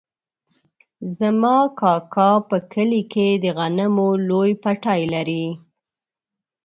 زما کاکا په کلي کې د غنمو لوی پټی لري.